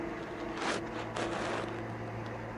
Známe některé hrozné případy, kdy jsou lidé skoro úplně zničeni.